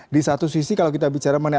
di satu sisi kalau kita bicara mengenai